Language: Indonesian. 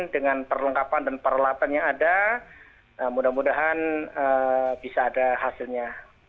dengan perlengkapan dan peralatan yang ada mudah mudahan bisa ada hasilnya